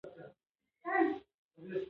کلي د ځمکې د جوړښت یوه نښه ده.